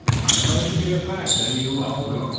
"I know it to be a fact, Dayohogo."